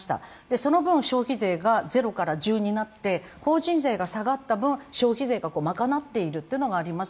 その分消費税が０ら１０になって法人税が下がった分消費税を賄っているというのがあります。